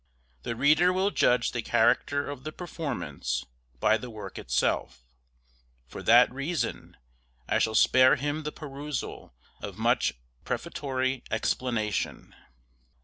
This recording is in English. The reader will judge the character of the performance by the work itself: for that reason I shall spare him the perusal of much prefatory explanation.